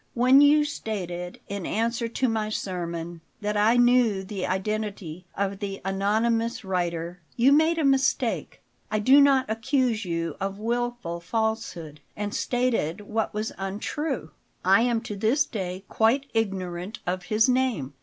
When you stated, in answer to my sermon, that I knew the identity of the anonymous writer, you made a mistake, I do not accuse you of wilful falsehood, and stated what was untrue. I am to this day quite ignorant of his name."